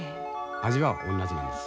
味はおんなじなんです。